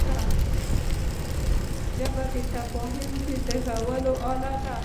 ژبه د تفاهم د زېږون اله ده